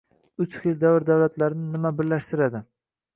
Uch xil davr davlatlarini nima birlashtiradi?